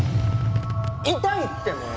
痛いってもう！